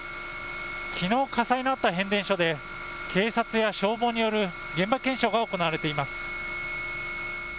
きのう火災のあった変電所で、警察や消防による現場検証が行われています。